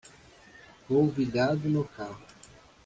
Polvilhado no carro